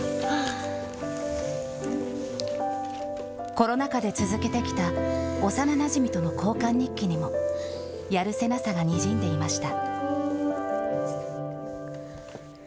コロナ禍で続けてきた幼なじみとの交換日記にも、やるせなさがにじんでいました。